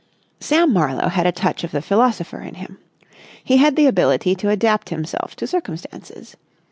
Sam Marlowe had a touch of the philosopher in him. He had the ability to adapt himself to circumstances.